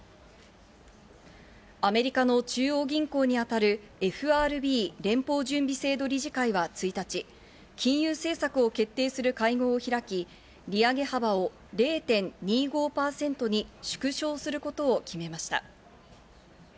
アメリカの中央銀行にあたるＦＲＢ＝連邦準備制度理事会は１日、金融政策を決定する会合を開き、利上げ幅を０．２５％に縮小することを決めました。